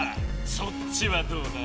そっちはどうだ？